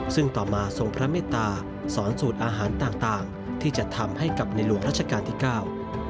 ซึ่งต่อมาทรงพระเมตตาสอนสูตรอาหารต่างต่างที่จะทำให้กับในหลวงรัชกาลที่เก้า